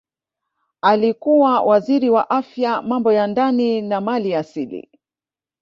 Alikuwa Waziri wa Afya Mambo ya Ndani na Maliasili